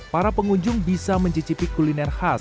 para pengunjung bisa mencicipi kuliner khas